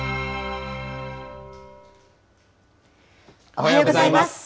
おはようございます。